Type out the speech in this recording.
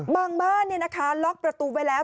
บ้านล็อกประตูไว้แล้ว